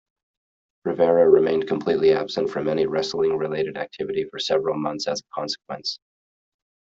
Rivera remained completely absent from any wrestling-related activity for several months as a consequence.